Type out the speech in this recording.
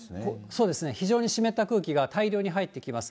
そうですね、非常に湿った空気が大量に入ってきます。